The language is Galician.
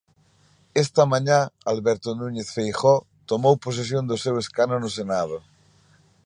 Esta mañá Alberto Núñez Feijóo tomou posesión do seu escano no Senado.